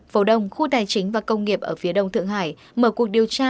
phố đông khu tài chính và công nghiệp ở phía đông thượng hải mở cuộc điều tra